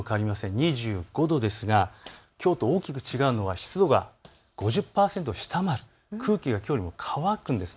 ２５度ですがきょうと大きく違うのは湿度が５０％を下回る、空気がきょうよりも渇くんです。